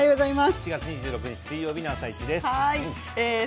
７月２６日水曜日の「あさイチ」です。